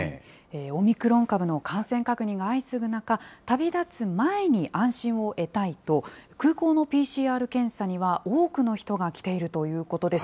オミクロン株の感染確認が相次ぐ中、旅立つ前に安心を得たいと、空港のＰＣＲ検査には多くの人が来ているということです。